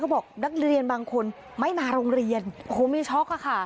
บอกนักเรียนบางคนไม่มาโรงเรียนโอ้โหมีช็อกอะค่ะ